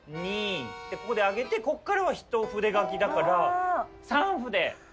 ここで上げてこっからはひと筆書きだから。